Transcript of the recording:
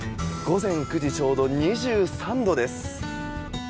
午前９時ちょうど２３度です。